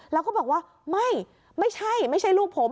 แล้วก็บอกว่าไม่ไม่ใช่ไม่ใช่ลูกผม